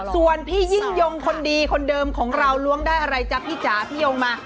ส่วนพี่ยิ่งยงคนดีคนเดิมของเราล้วงได้อะไรจ๊ะพี่จ๋าพี่ยงมา